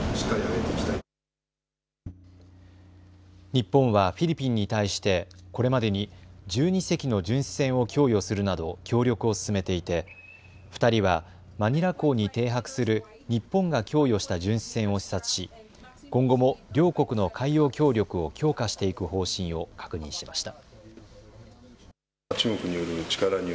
日本はフィリピンに対してこれまでに１２隻の巡視船を供与するなど協力を進めていて２人はマニラ港に停泊する日本が供与した巡視船を視察し今後も両国の海洋協力を強化していく方針を確認しました。